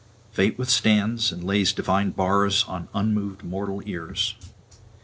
Fate withstands, and lays divine bars on unmoved mortal ears.